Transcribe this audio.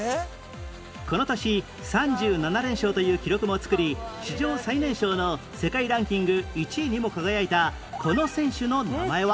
この年３７連勝という記録も作り史上最年少の世界ランキング１位にも輝いたこの選手の名前は？